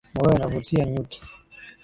Maua yanavutia nyuki.